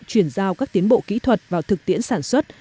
chuyển giao các tiến bộ kỹ thuật vào thực tiễn sản xuất